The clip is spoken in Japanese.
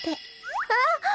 あっ！